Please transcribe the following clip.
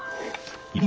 はい。